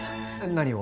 何を？